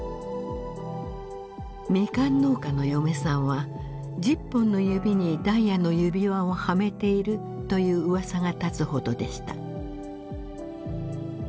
「ミカン農家の嫁さんは１０本の指にダイヤの指輪をはめている」といううわさが立つほどでした。